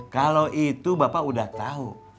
kalau itu bapak udah tahu